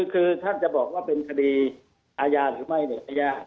คือท่านจะบอกว่าเป็นคดีอาญาหรือไม่เนี่ยไม่ยาก